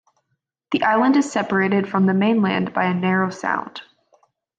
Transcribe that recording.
The island is separated from the mainland by a narrow sound.